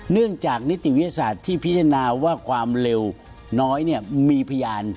เนื่องจากนิติวิทยาศาสตร์ที่พิจารณาว่าความเร็วน้อยมีพยาน